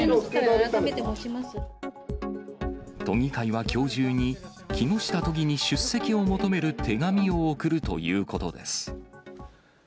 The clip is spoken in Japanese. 都議会はきょう中に、木下都議に出席を求める手紙を送るということです。